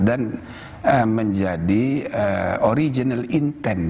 dan menjadi original intent